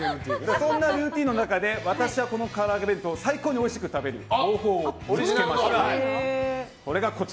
そんなルーティンの中で私は、この唐揚げ弁当を最高においしく食べる方法を見つけました。